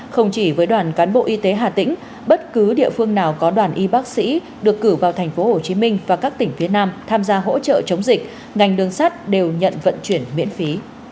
không chỉ với đoàn cán bộ y tế hà tĩnh bất cứ địa phương nào có đoàn y bác sĩ được cử vào tp hcm và các tỉnh phía nam tham gia hỗ trợ chống dịch ngành đường sắt đều nhận vận chuyển miễn phí